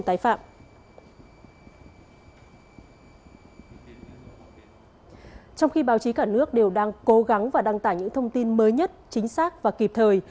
trong khi báo chí cả nước đều đang cố gắng và đăng tải những thông tin mới nhất chính xác và kịp thời